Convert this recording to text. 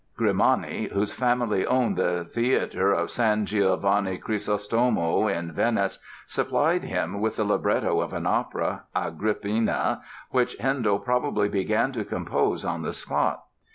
Grimani, whose family owned the theatre of San Giovanni Crisostomo in Venice, supplied him with the libretto of an opera, "Agrippina", which Handel probably began to compose on the spot.